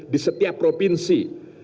di setiap provinsi